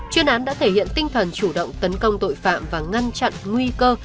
chuyên án đã thể hiện tinh thần chủ động tấn công tội phạm và ngăn chặn nguy cơ